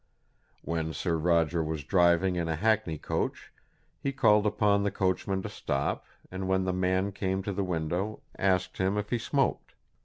When Sir Roger was driving in a hackney coach he called upon the coachman to stop, and when the man came to the window asked him if he smoked.